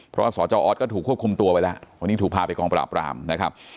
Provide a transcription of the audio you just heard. เพราะว่าสจออสก็ถูกควบคุมตัวไปแล้ววันนี้ถูกพาไปกองปราบรามนะครับ